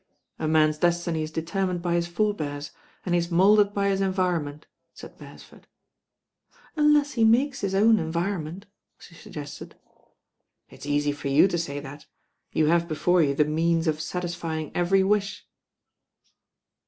"A man's destihy is determined by his forebears, and he is moulded by his environment," said Beres ford. "Unless he makes his own environment," she suggested. "It's easy for you to say that. You have before you the means of satisfying every wish."